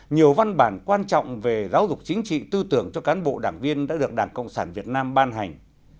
nhiều văn bản quan trọng về giáo dục chính trị tư tưởng cho cán bộ đảng viên đã được đảng cộng sản việt nam ban hành